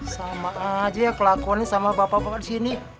sama aja ya kelakonnya sama bapak bapak di sini